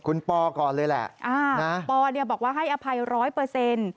คุณปอก่อนเลยแหละอ่านะปอเนี่ยบอกว่าให้อภัยร้อยเปอร์เซ็นต์